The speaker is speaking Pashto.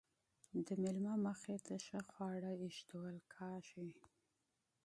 د میلمه مخې ته ښه خواړه ایښودل کیږي.